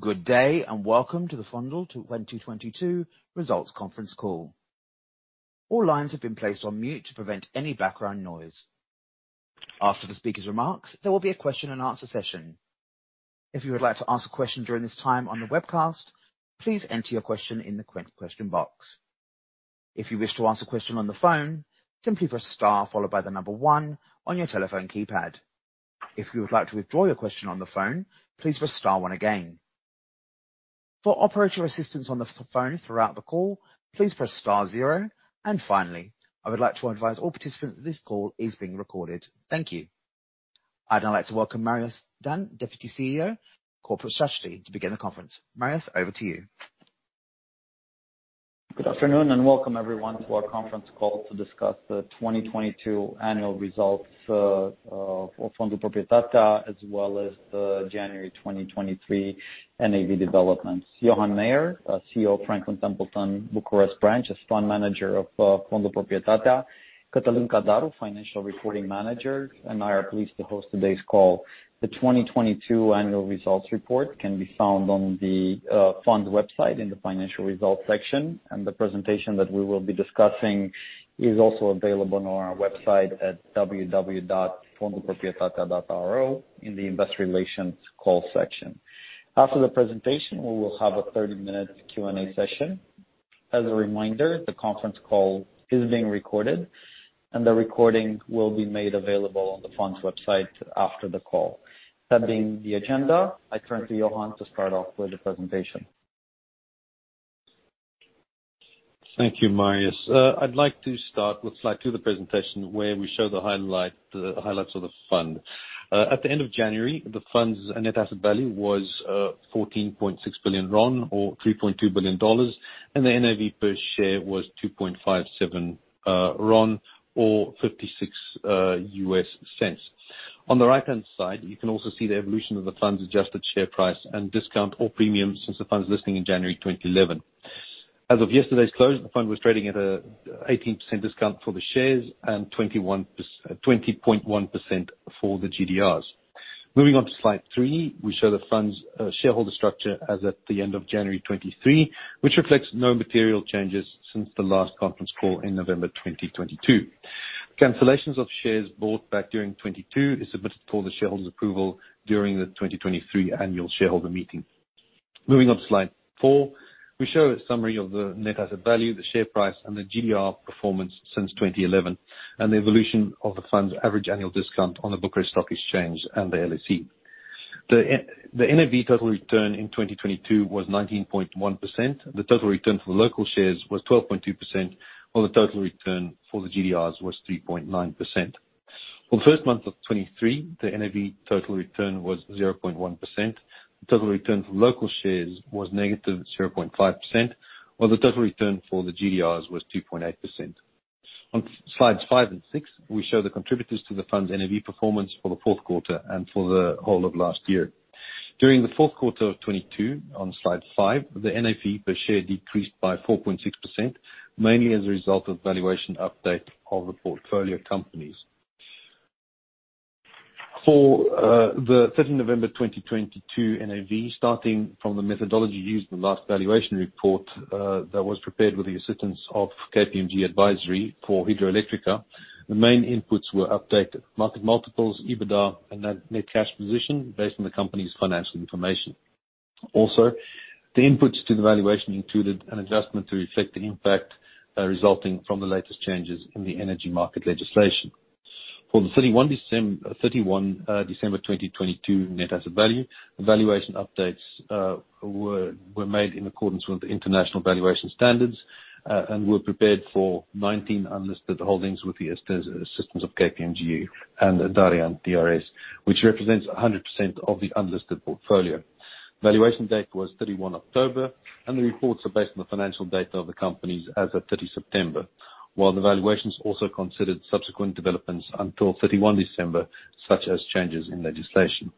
Good day, welcome to the Fondul 2022 Results Conference Call. All lines have been placed on mute to prevent any background noise. After the speaker's remarks, there will be a question and answer session. If you would like to ask a question during this time on the webcast, please enter your question in the question box. If you wish to ask a question on the phone, simply press star followed by the number one on your telephone keypad. If you would like to withdraw your question on the phone, please press star one again. For operator assistance on the phone throughout the call, please press star zero. Finally, I would like to advise all participants that this call is being recorded. Thank you. I'd now like to welcome Marius Dan, Deputy CEO, Corporate Strategy, to begin the conference. Marius, over to you. Good afternoon, and welcome everyone to our conference call to discuss the 2022 annual results of Fondul Proprietatea, as well as the January 2023 NAV developments. Johan Meyer, CEO of Franklin Templeton Bucharest Branch, as fund manager of Fondul Proprietatea, Catalin Cadaru, Financial Reporting Manager, and I are pleased to host today's call. The 2022 annual results report can be found on the fund website in the financial results section, and the presentation that we will be discussing is also available on our website at www.fondulproprietatea.ro in the Investor Relations Call section. After the presentation, we will have a 30-minute Q&A session. As a reminder, the conference call is being recorded, and the recording will be made available on the fund's website after the call. That being the agenda, I turn to Johan to start off with the presentation. Thank you, Marius. I'd like to start with slide two of the presentation, where we show the highlights of the fund. At the end of January, the fund's NAV was 14.6 billion RON or $3.2 billion, and the NAV per share was 2.57 RON or 56 US cents. On the right-hand side, you can also see the evolution of the fund's adjusted share price and discount or premium since the fund's listing in January 2011. As of yesterday's close, the fund was trading at a 18% discount for the shares and 20.1% for the GDRs. Moving on to slide 3, we show the fund's shareholder structure as at the end of January 2023, which reflects no material changes since the last conference call in November 2022. Cancellations of shares bought back during 2022 is submitted for the shareholders approval during the 2023 annual shareholder meeting. Moving on to slide 4, we show a summary of the net asset value, the share price, and the GDR performance since 2011, and the evolution of the fund's average annual discount on the Bucharest Stock Exchange and the LSE. The NAV total return in 2022 was 19.1%. The total return for the local shares was 12.2%, while the total return for the GDRs was 3.9%. For the first month of 2023, the NAV total return was 0.1%, the total return for local shares was -0.5%, while the total return for the GDRs was 2.8%. On slides five and six, we show the contributors to the fund's NAV performance for the fourth quarter and for the whole of last year. During the fourth quarter of 2022, on slide 5, the NAV per share decreased by 4.6%, mainly as a result of valuation update of the portfolio companies. For the 3rd November 2022 NAV, starting from the methodology used in the last valuation report, that was prepared with the assistance of KPMG Advisory for Hidroelectrica, the main inputs were updated. Market multiples, EBITDA, and net cash position based on the company's financial information. Also, the inputs to the valuation included an adjustment to reflect the impact resulting from the latest changes in the energy market legislation. For the 31 December 2022 net asset value, the valuation updates were made in accordance with the International Valuation Standards and were prepared for 19 unlisted holdings with the assistance of KPMG and Darian DRS, which represents 100% of the unlisted portfolio. Valuation date was 31 October, the reports are based on the financial data of the companies as of 30 September. While the valuations also considered subsequent developments until 31 December, such as changes in legislation.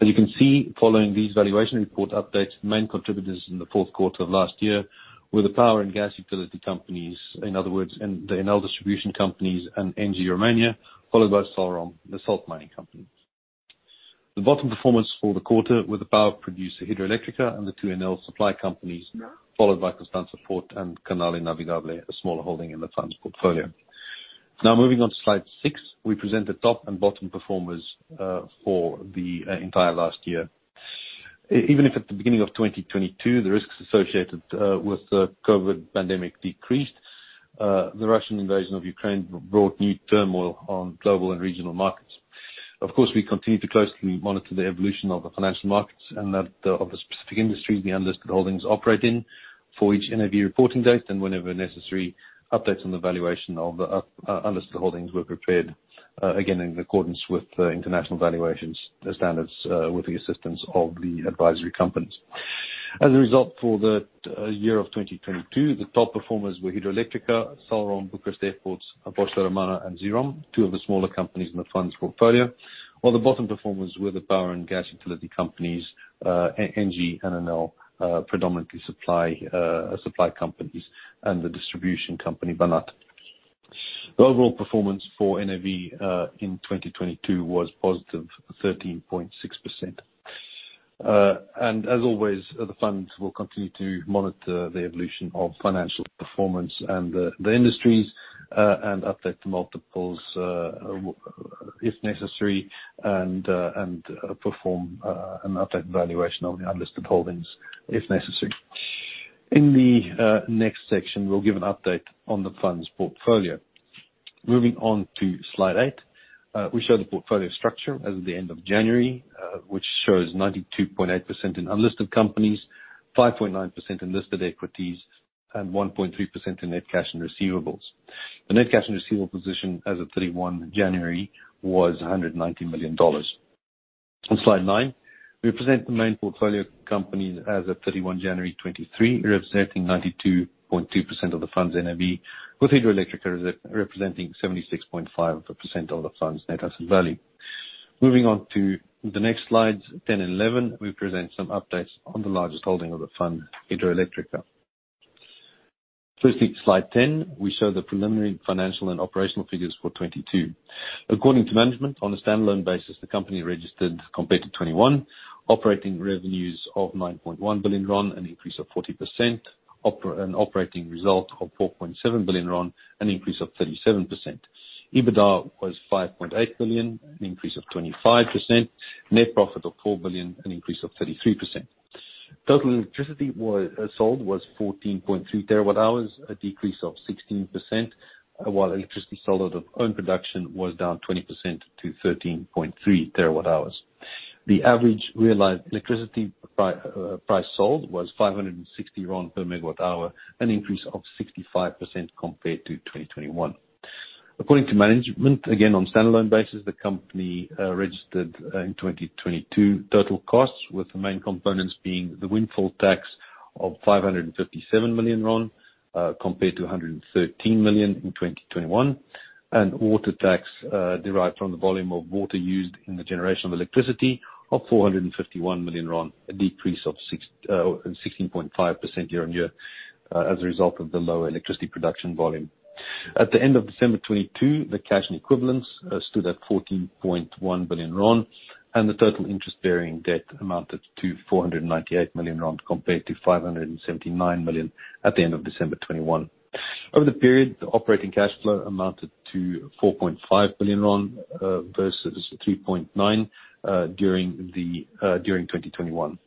As you can see, following these valuation report updates, the main contributors in the fourth quarter of last year were the power and gas utility companies, in other words, the Enel distribution companies and ENGIE Romania, followed by Salrom, the salt mining company. The bottom performance for the quarter were the power producer Hidroelectrica and the two Enel supply companies, followed by Port of Constanța and Canale Navigabile, a smaller holding in the fund's portfolio. Now, moving on to slide 6, we present the top and bottom performers for the entire last year. Even if at the beginning of 2022, the risks associated with the COVID pandemic decreased, the Russian invasion of Ukraine brought new turmoil on global and regional markets. Of course, we continue to closely monitor the evolution of the financial markets and the of the specific industry the unlisted holdings operate in for each NAV reporting date and whenever necessary, updates on the valuation of the unlisted holdings were prepared again, in accordance with the International Valuation Standards with the assistance of the advisory companies. As a result, for the year of 2022, the top performers were Hidroelectrica, Salrom, Bucharest Airports, Borsec Roman, and Zirom, two of the smaller companies in the fund's portfolio, while the bottom performers were the power and gas utility companies, ENGIE and Enel, predominantly supply companies and the distribution company, Banat. The overall performance for NAV in 2022 was positive 13.6%. As always, the funds will continue to monitor the evolution of financial performance and the industries and update the multiples if necessary, and perform an update valuation on the unlisted holdings if necessary. In the next section, we'll give an update on the funds portfolio. Moving on to slide, we show the portfolio structure as of the end of January, which shows 92.8% in unlisted companies, 5.9% in listed equities, and 1.3% in net cash and receivables. The net cash and receivable position as of 31 January was $190 million. On slide nine, we present the main portfolio companies as of 31 January 2023, representing 92.2% of the fund's NAV, with Hidroelectrica representing 76.5% of the fund's net asset value. Moving on to the next slides 10 and 11, we present some updates on the largest holding of the fund, Hidroelectrica. Firstly, slide 10, we show the preliminary financial and operational figures for 2022. According to management, on a standalone basis, the company registered compared to 2021 operating revenues of RON 9.1 billion, an increase of 40%, and operating result of RON 4.7 billion, an increase of 37%. EBITDA was RON 5.8 billion, an increase of 25%. Net profit of RON 4 billion, an increase of 33%. Total electricity sold was 14.3 terawatt-hours, a decrease of 16%, while electricity sold out of own production was down 20% to 13.3 terawatt-hours. The average realized electricity price sold was RON 560 per megawatt-hour, an increase of 65% compared to 2021. According to management, again, on standalone basis, the company registered in 2022 total costs, with the main components being the windfall tax of RON 557 million, compared to RON 113 million in 2021, and water tax, derived from the volume of water used in the generation of electricity of RON 451 million, a decrease of 16.5% year-on-year as a result of the lower electricity production volume. At the end of December 2022, the cash and equivalents stood at RON 14.1 billion, and the total interest-bearing debt amounted to RON 498 million compared to RON 579 million at the end of December 2021. Over the period, the operating cash flow amounted to RON 4.5 billion, versus RON 3.9 billion, during 2021.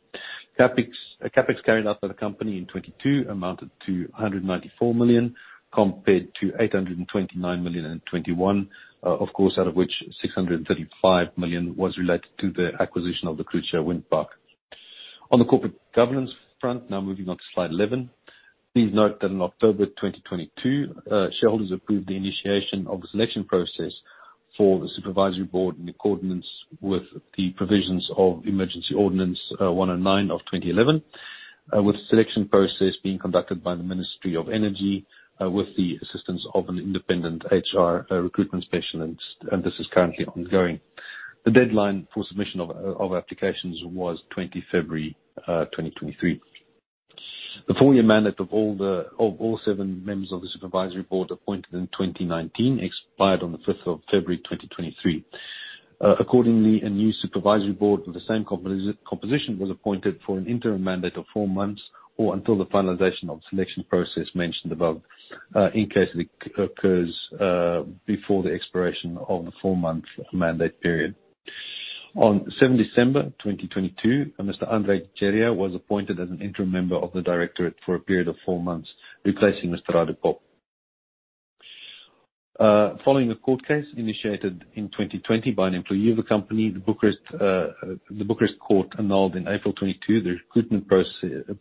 CapEx carried out by the company in 2022 amounted to RON 194 million, compared to RON 829 million in 2021. Of course, out of which RON 635 million was related to the acquisition of the Crucea Wind Park. On the corporate governance front, now moving on to slide 11, please note that in October 2022, shareholders approved the initiation of the selection process for the supervisory board in accordance with the provisions of Emergency Ordinance 109 of 2011, with the selection process being conducted by the Ministry of Energy, with the assistance of an independent HR recruitment specialist, and this is currently ongoing. The deadline for submission of applications was 20 February, 2023. The four-year mandate of all seven members of the supervisory board appointed in 2019 expired on 5th of February, 2023. Accordingly, a new supervisory board with the same composition was appointed for an interim mandate of four months or until the finalization of selection process mentioned above, in case it occurs before the expiration of the four-month mandate period. On 7 December, 2022, a Mr. Andrei-Tinu Cireș was appointed as an interim member of the directorate for a period of four months, replacing Mr. Radu Cop. Following a court case initiated in 2020 by an employee of the company, the Bucharest Court annulled in April 22 the recruitment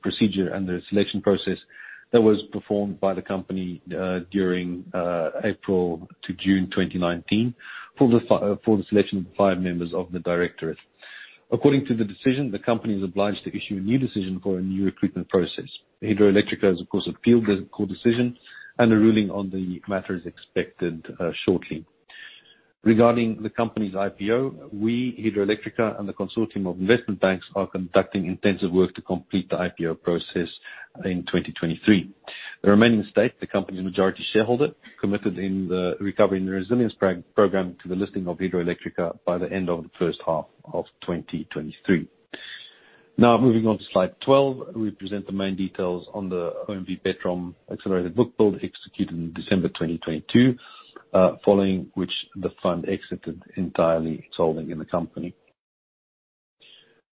procedure and the selection process that was performed by the company during April to June 2019 for the selection of five members of the directorate. According to the decision, the company is obliged to issue a new decision for a new recruitment process. Hidroelectrica has, of course, appealed the court decision and a ruling on the matter is expected shortly. Regarding the company's IPO, we, Hidroelectrica, and the consortium of investment banks are conducting intensive work to complete the IPO process in 2023. The remaining state, the company's majority shareholder, committed in the Recovery and Resilience program to the listing of Hidroelectrica by the end of the first half of 2023. moving on to slide 12, we present the main details on the OMV Petrom accelerated book build executed in December 2022, following which the fund exited entirely, its holding in the company.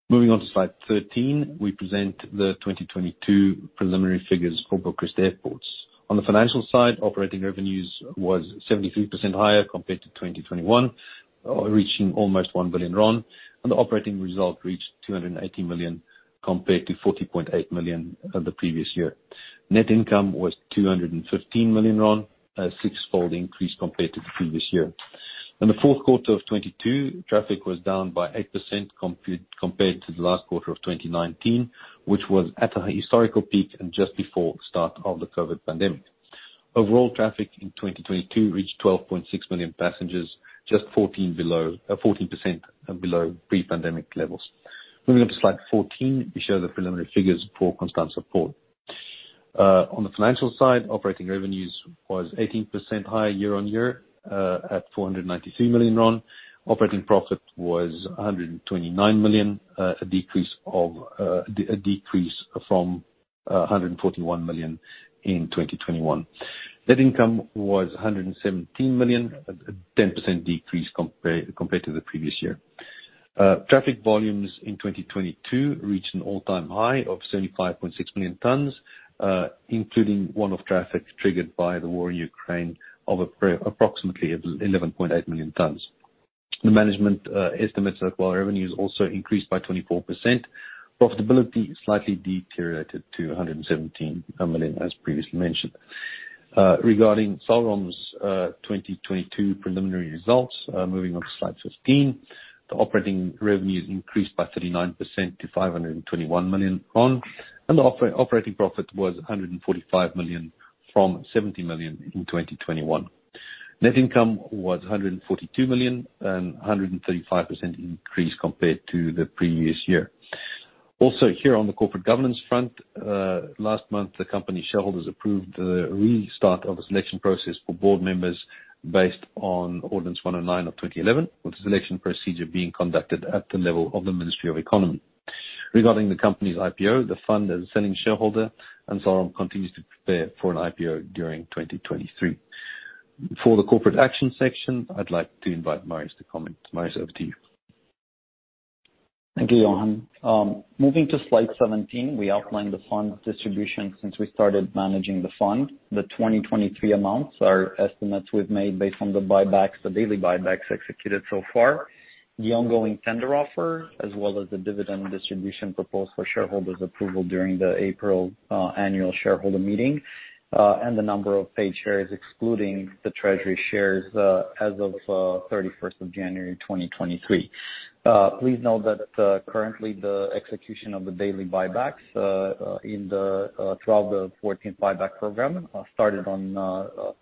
Moving on to slide 13, we present the 2022 preliminary figures for Bucharest Airports. On the financial side, operating revenues was 73% higher compared to 2021, reaching almost RON 1 billion, and the operating result reached RON 280 million, compared to RON 40.8 million the previous year. Net income was RON 215 million, a six-fold increase compared to the previous year. In the fourth quarter of 2022, traffic was down by 8% compared to the last quarter of 2019, which was at a historical peak and just before the start of the COVID pandemic. Overall traffic in 2022 reached 12.6 million passengers, just 14 below, 14% below pre-pandemic levels. Moving on to slide 14, we show the preliminary figures for Port of Constanța. On the financial side, operating revenues was 18% higher year-on-year, at RON 493 million. Operating profit was RON 129 million, a decrease from RON 141 million in 2021. Net income was RON 117 million, a 10% decrease compared to the previous year. Traffic volumes in 2022 reached an all-time high of 75.6 million tons, including one-off traffic triggered by the war in Ukraine of approximately 11.8 million tons. The management estimates that while revenues also increased by 24%, profitability slightly deteriorated to RON 117 million, as previously mentioned. Regarding Salrom's 2022 preliminary results, moving on to slide 15. The operating revenues increased by 39% to 521 million RON, and the operating profit was RON 145 million from RON 70 million in 2021. Net income was RON 142 million, an 135% increase compared to the previous year. Also, here on the corporate governance front, last month, the company shareholders approved the restart of the selection process for board members based on Ordinance 109 of 2011, with the selection procedure being conducted at the level of the Ministry of Economy. Regarding the company's IPO, the fund and selling shareholder, and Salrom continues to prepare for an IPO during 2023. For the corporate action section, I'd like to invite Marius to comment. Marius, over to you. Thank you, Johan. Moving to slide 17, we outlined the fund distribution since we started managing the fund. 2023 amounts are estimates we've made based on the buybacks, the daily buybacks executed so far, the ongoing tender offer, as well as the dividend distribution proposed for shareholders approval during the April annual shareholder meeting and the number of paid shares excluding the treasury shares as of 31st of January, 2023. Please note that currently, the execution of the daily buybacks in the 12-14 buyback program started on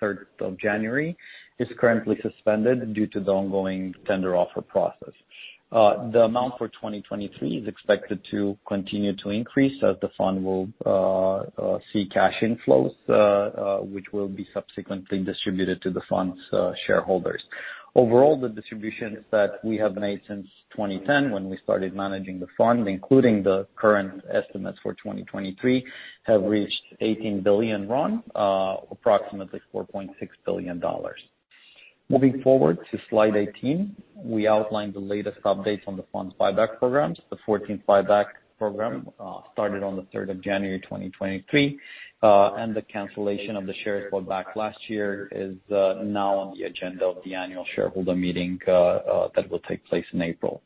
3rd of January, is currently suspended due to the ongoing tender offer process. The amount for 2023 is expected to continue to increase as the fund will see cash inflows, which will be subsequently distributed to the fund's shareholders. Overall, the distributions that we have made since 2010 when we started managing the fund, including the current estimates for 2023, have reached RON 18 billion, approximately $4.6 billion. Moving forward to slide 18, we outlined the latest updates on the fund's buyback programs. The 14th buyback program started on 3rd ofJanuary, 2023, and the cancellation of the shares bought back last year is now on the agenda of the annual shareholder meeting that will take place in April.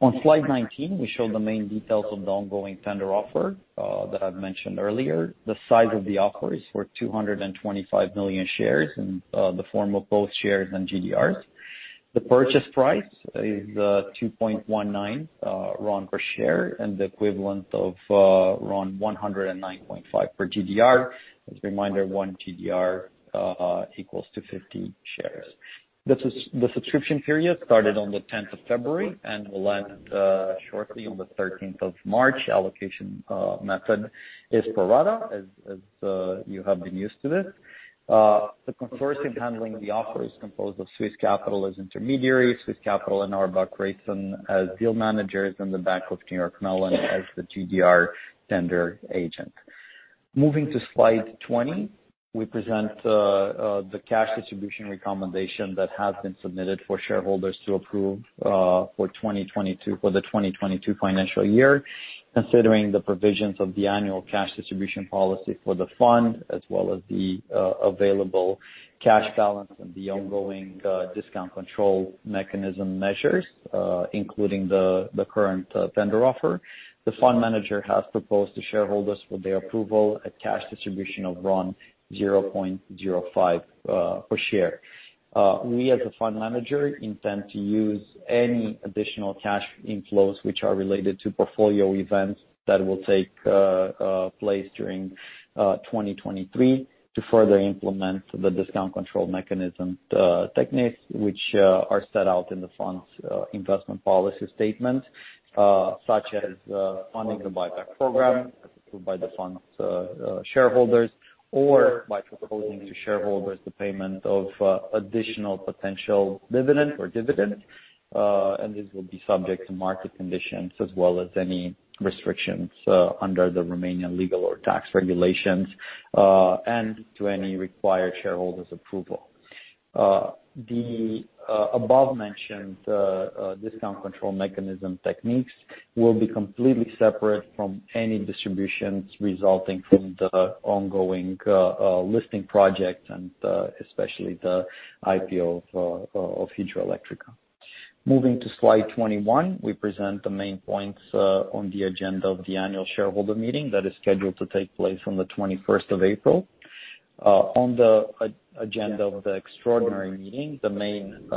On slide 19, we show the main details of the ongoing tender offer that I've mentioned earlier. The size of the offer is for 225 million shares in the form of both shares and GDRs. The purchase price is RON 2.19 per share and the equivalent of RON 109.5 per GDR. As a reminder, 1 GDR equals to 50 shares. The subscription period started on 10th February and will end shortly on 13th of March. Allocation method is pro rata, as you have been used to this. The consortium handling the offer is composed of Swiss Capital as intermediary, Swiss Capital and Orba Creighton as deal managers, and The Bank of New York Mellon as the GDR tender agent. Moving to slide 20, we present the cash distribution recommendation that has been submitted for shareholders to approve for the 2022 financial year. Considering the provisions of the annual cash distribution policy for the fund, as well as the available cash balance and the ongoing discount control mechanism measures, including the current tender offer, the fund manager has proposed to shareholders for their approval a cash distribution of RON 0.05 per share. ager, intend to use any additional cash inflows which are related to portfolio events that will take place during 2023 to further implement the discount control mechanism techniques which are set out in the fund's investment policy statement, such as funding the buyback program as approved by the fund's shareholders or by proposing to shareholders the payment of additional potential dividend or dividends, and this will be subject to market conditions as well as any restrictions under the Romanian legal or tax regulations, and to any required shareholders approval. The above mentioned discount control mechanism techniques will be completely separate from any distributions resulting from the ongoing listing project and especially the IPO of Hidroelectrica Moving to slide 21, we present the main points on the agenda of the annual shareholder meeting that is scheduled to take place on the 21st of April. On the agenda of the extraordinary meeting, the main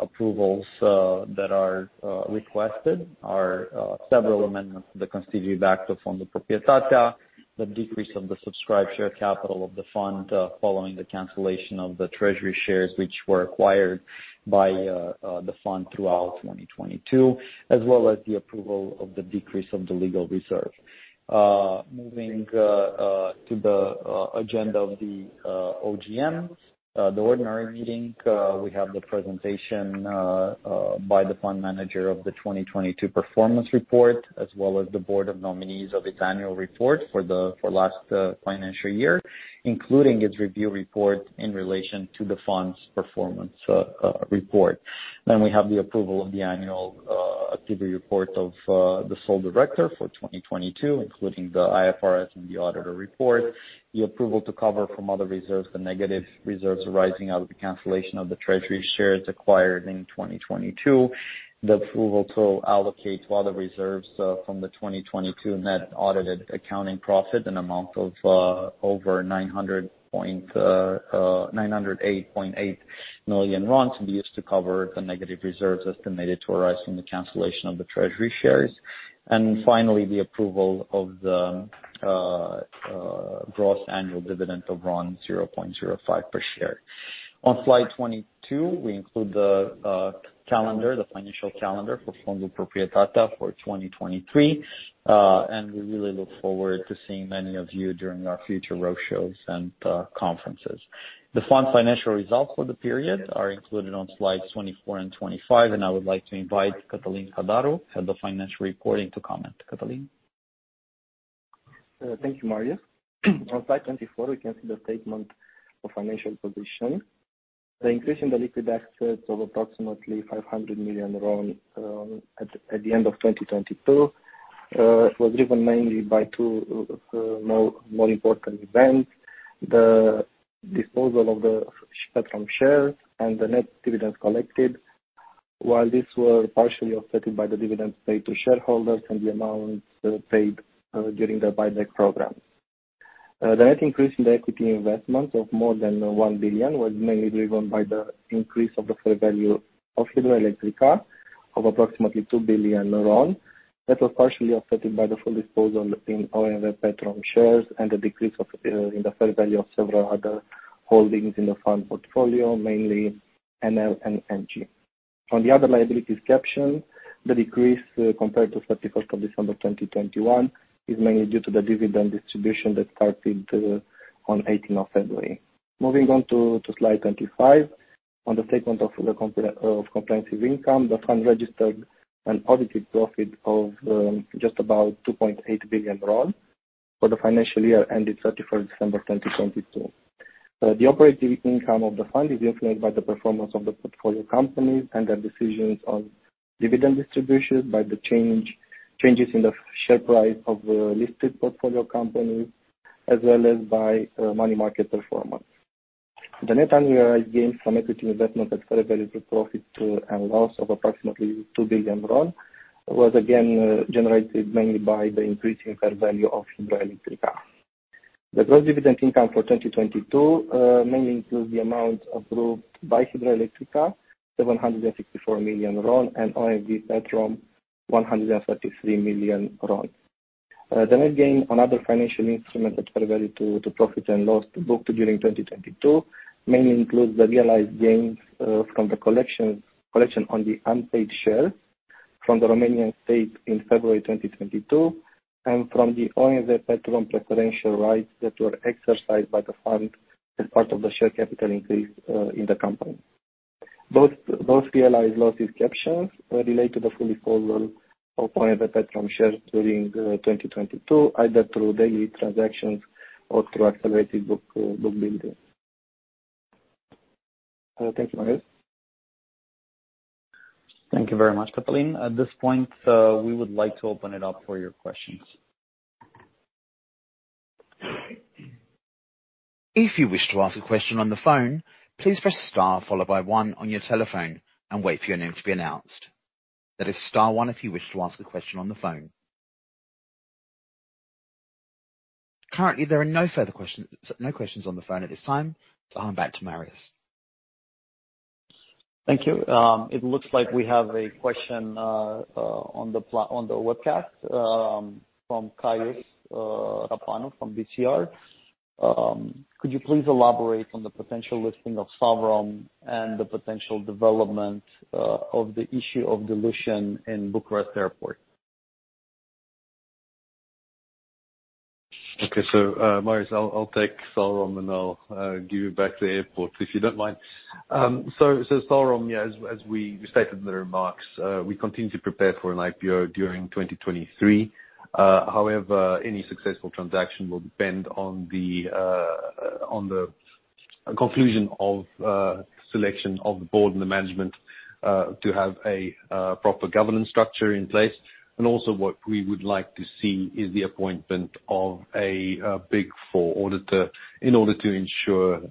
approvals that are requested are several amendments to the Constitutive Act of Fondul Proprietatea, the decrease of the subscribed share capital of the fund, following the cancellation of the treasury shares which were acquired by the fund throughout 2022, as well as the approval of the decrease of the legal reserve. Moving to the agenda of the OGM, the ordinary meeting, we have the presentation by the fund manager of the 2022 performance report, as well as the Board of Nominees of its annual report for last financial year, including its review report in relation to the fund's performance report. We have the approval of the annual activity report of the sole director for 2022, including the IFRS and the auditor report. The approval to cover from other reserves, the negative reserves arising out of the cancellation of the treasury shares acquired in 2022. The approval to allocate to other reserves, from the 2022 net audited accounting profit, an amount of over 908.8 million RON to be used to cover the negative reserves estimated to arise from the cancellation of the treasury shares. Finally, the approval of the gross annual dividend of RON 0.05 per share. On slide 22, we include the calendar, the financial calendar for Fondul Proprietatea for 2023. We really look forward to seeing many of you during our future road shows and conferences. The fund financial results for the period are included on slides 24 and 25, and I would like to invite Cătălin Cadaru, Head of Financial Reporting to comment. Cătălin. Thank you, Marius. On slide 24, we can see the statement of financial position. The increase in the liquid assets of approximately RON 500 million at the end of 2022 was driven mainly by two important events. The disposal of the OMV Petrom shares and the net dividends collected. These were partially affected by the dividends paid to shareholders and the amounts paid during the buyback program. The net increase in the equity investment of more than RON 1 billion was mainly driven by the increase of the fair value of Hidroelectrica of approximately RON 2 billion, that was partially affected by the full disposal in OMV Petrom shares and the decrease in the fair value of several other holdings in the fund portfolio, mainly Enel and NG. On the other liabilities caption, the decrease, compared to 31st of December 2021, is mainly due to the dividend distribution that started on 18th of February. Moving on to slide 25. On the statement of comprehensive income, the fund registered an positive profit of just about RON 2.8 billion for the financial year ended 31st December 2022. The operating income of the fund is influenced by the performance of the portfolio companies and their decisions on dividend distributions by the changes in the share price of listed portfolio companies, as well as by money market performance. The net unrealized gains from equity investment at fair value through profit and loss of approximately RON 2 billion was again generated mainly by the increasing fair value of Hidroelectrica. The gross dividend income for 2022 mainly includes the amount approved by Hidroelectrica, RON 764 million, and OMV Petrom RON 133 million. The net gain on other financial instruments at fair value to profit and loss booked during 2022 mainly includes the realized gains from the collection on the unpaid share from the Romanian state in February 2022, and from the OMV Petrom preferential rights that were exercised by the fund as part of the share capital increase in the company. Both realized losses captions relate to the fully formal of OMV Petrom shares during 2022, either through daily transactions or through accelerated bookbuilding. Thank you, Marius. Thank you very much, Catalin. At this point, we would like to open it up for your questions. If you wish to ask a question on the phone, please press star followed by one on your telephone and wait for your name to be announced. That is star one if you wish to ask a question on the phone. Currently, there are no further questions, no questions on the phone at this time. I'm back to Marius. Thank you. It looks like we have a question on the webcast from Caius Rîpanu from BCR. Could you please elaborate on the potential listing of Salrom and the potential development of the issue of dilution in Bucharest Airport? Okay. Marius, I'll take Salrom, and I'll give you back the airport, if you don't mind. Salrom, as we stated in the remarks, we continue to prepare for an IPO during 2023. However, any successful transaction will depend on the conclusion of selection of the board and the management to have a proper governance structure in place. Also, what we would like to see is the appointment of a Big Four auditor in order to ensure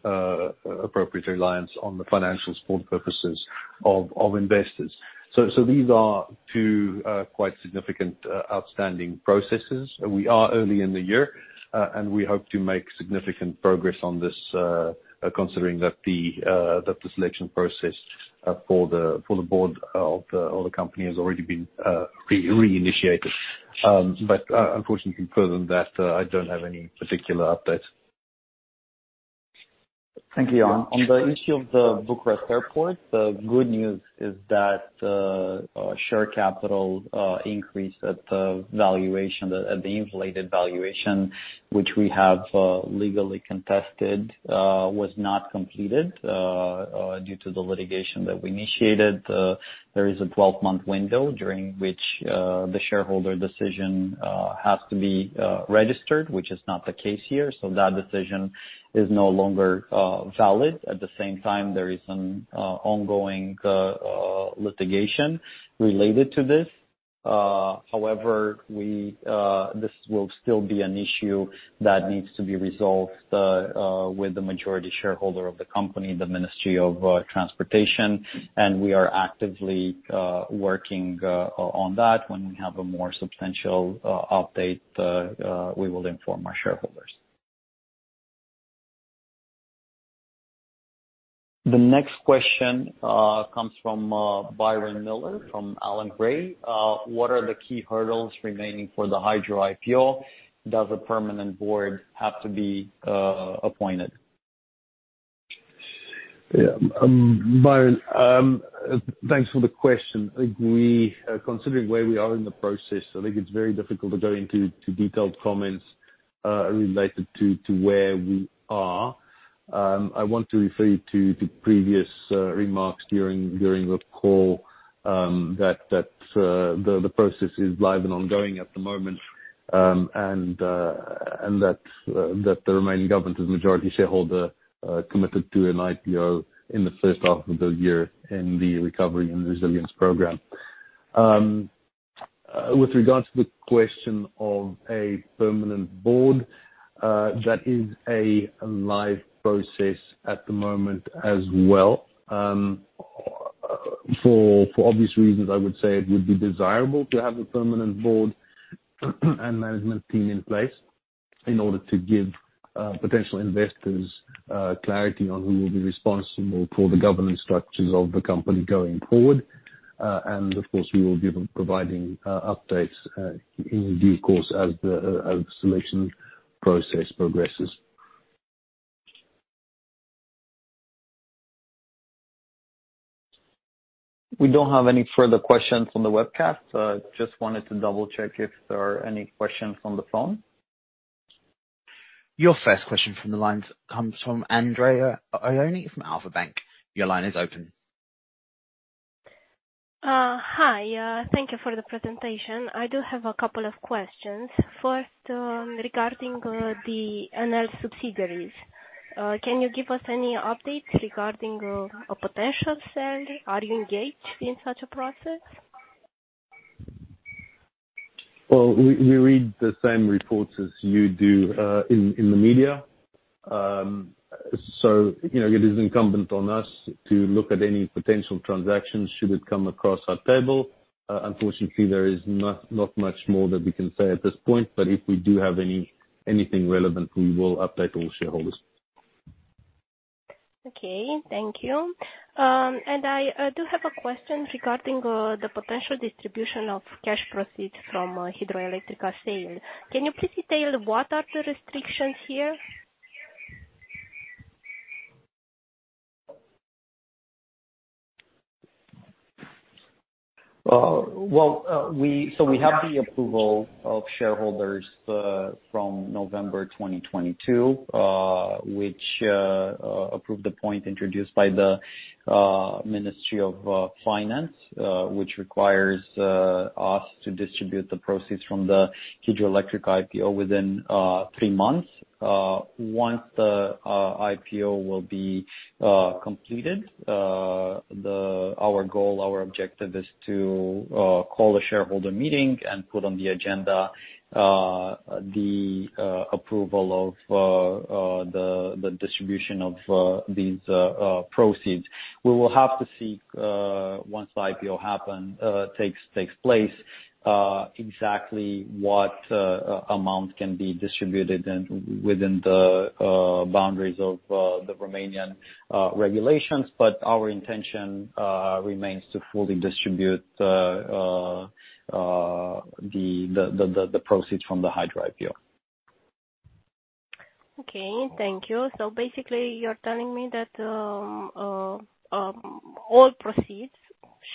appropriate reliance on the financial support purposes of investors. These are two quite significant outstanding processes. We are early in the year, and we hope to make significant progress on this, considering that the selection process for the board of the company has already been reinitiated. Unfortunately, further than that, I don't have any particular updates. Thank you. On the issue of the Bucharest Airport, the good news is that share capital increase at the valuation, at the inflated valuation, which we have legally contested, was not completed due to the litigation that we initiated. There is a 12-month window during which the shareholder decision has to be registered, which is not the case here, so that decision is no longer valid. At the same time, there is an ongoing litigation related to this. However, this will still be an issue that needs to be resolved with the majority shareholder of the company, the Ministry of Transportation. We are actively working on that. When we have a more substantial update, we will inform our shareholders. The next question, comes from, Byron Mildenhall, from Allan Gray. What are the key hurdles remaining for the Hydro IPO? Does a permanent board have to be, appointed? Byron, thanks for the question. I think we, considering where we are in the process, I think it's very difficult to go into detailed comments related to where we are. I want to refer you to the previous remarks during the call that the process is live and ongoing at the moment, and that the Romanian government is majority shareholder committed to an IPO in the first half of the year in the Recovery and Resilience program. With regards to the question of a permanent board, that is a live process at the moment as well. For obvious reasons, I would say it would be desirable to have a permanent board and management team in place in order to give potential investors clarity on who will be responsible for the governance structures of the company going forward. Of course, we will be providing updates in due course as the selection process progresses. We don't have any further questions on the webcast, so just wanted to double-check if there are any questions on the phone. Your first question from the lines comes from Andrea Orizio from Alpha Bank. Your line is open. Hi. Thank you for the presentation. I do have a couple of questions. First, regarding the Enel subsidiaries. Can you give us any updates regarding a potential sale? Are you engaged in such a process? Well, we read the same reports as you do, in the media. You know, it is incumbent on us to look at any potential transactions should it come across our table. Unfortunately, there is not much more that we can say at this point. If we do have anything relevant, we will update all shareholders. Okay. Thank you. I do have a question regarding the potential distribution of cash proceeds from a Hidroelectrica sale. Can you please detail what are the restrictions here? Well, we have the approval of shareholders from November 2022, which approved the point introduced by the Ministry of Finance, which requires us to distribute the proceeds from the Hidroelectrica IPO within three months. Once the IPO will be completed, our goal, our objective is to call a shareholder meeting and put on the agenda the approval of the distribution of these proceeds. We will have to seek, once the IPO takes place, exactly what amount can be distributed and within the boundaries of the Romanian regulations. Our intention remains to fully distribute the proceeds from the Hydro IPO. Okay. Thank you. Basically you're telling me that all proceeds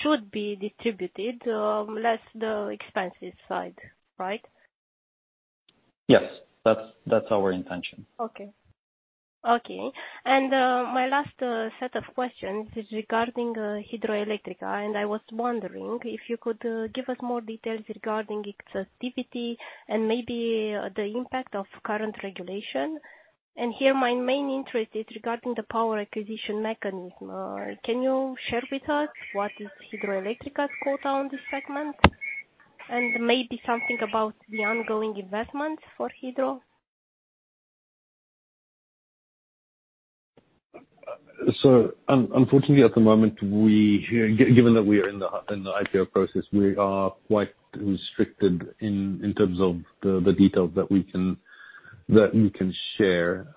should be distributed less the expenses side, right? Yes. That's our intention. Okay. Okay. My last set of questions is regarding Hidroelectrica, and I was wondering if you could give us more details regarding its activity and maybe the impact of current regulation. Here, my main interest is regarding the power acquisition mechanism. Can you share with us what is Hidroelectrica's quota on this segment? Maybe something about the ongoing investments for Hidro. Unfortunately, at the moment, we given that we are in the IPO process, we are quite restricted in terms of the details that we can share.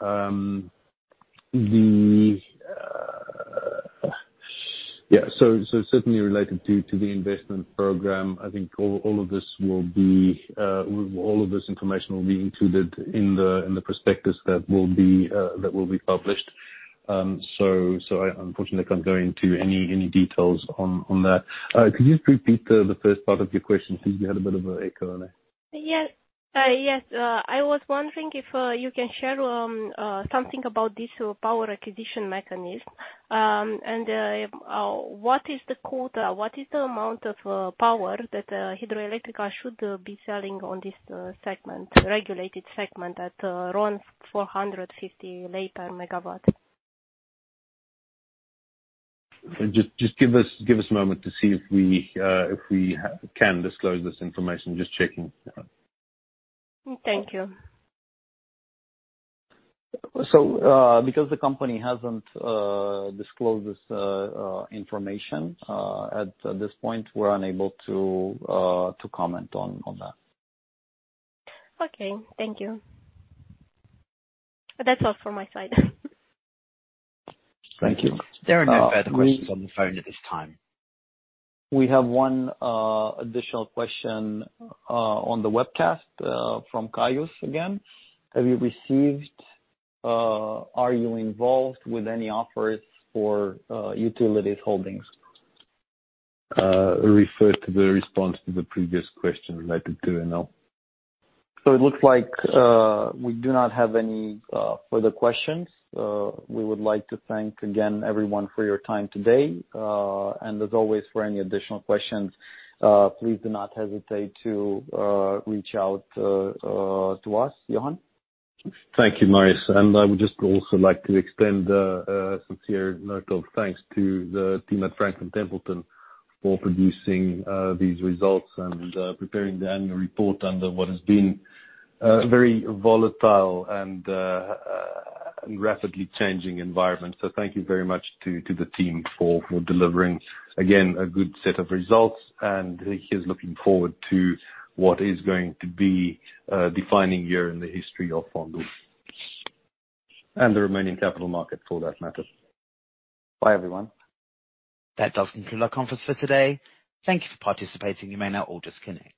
Yeah. Certainly related to the investment program. I think all of this will be. All of this information will be included in the prospectus that will be that will be published. I unfortunately can't go into any details on that. Could you just repeat the first part of your question? Think you had a bit of an echo there. Yes. Yes. I was wondering if you can share something about this power acquisition mechanism. What is the quota? What is the amount of power that Hidroelectrica should be selling on this segment, regulated segment at around 450 RON per megawatt? Just give us a moment to see if we can disclose this information. Just checking. Yeah. Thank you. Because the company hasn't disclosed this information at this point, we're unable to comment on that. Okay. Thank you. That's all from my side. Thank you. There are no further questions on the phone at this time. We have one additional question on the webcast from Gaius again. Are you involved with any offers for utilities holdings? Refer to the response to the previous question related to Enel. It looks like we do not have any further questions. We would like to thank again everyone for your time today. As always, for any additional questions, please do not hesitate to reach out to us. Johan? Thank you, Marius. I would just also like to extend a sincere note of thanks to the team at Franklin Templeton for producing these results and preparing the annual report under what has been a very volatile and rapidly changing environment. Thank you very much to the team for delivering, again, a good set of results. Here's looking forward to what is going to be a defining year in the history of Fondul. The Romanian capital market for that matter. Bye everyone. That does conclude our conference for today. Thank you for participating. You may now all disconnect.